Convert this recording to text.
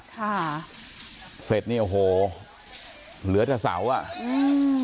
ค่ะเสร็จเนี่ยโอ้โหเหลือแต่เสาอ่ะอืม